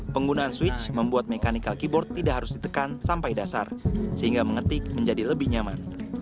penggunaan switch membuat mechanical keyboard tidak harus ditekan sampai dasar sehingga mengetik menjadi lebih nyaman